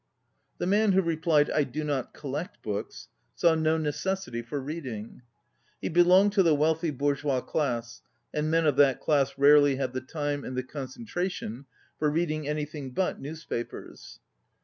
The man who replied " I do not collect books," saw no necessity for reading. He belonged to the wealthy bourgeois class, and men of that class rarely have the time and the con centration for reading anything but newspapers.